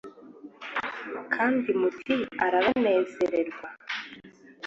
kandi muti ‘Arabanezererwa’,